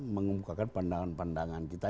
mengungkapkan pandangan pandangan kita